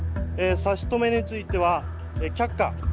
差し止めについては却下。